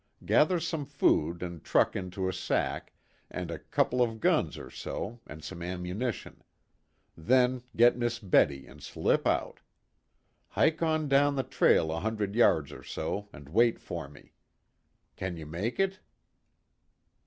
Gather some food and truck into a sack, and a couple of guns or so, and some ammunition. Then get Miss Betty and slip out. Hike on down the trail a hundred yards or so and wait for me. Can you make it?"